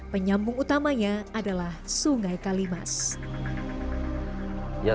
penyambung utamanya adalah sungai kalimas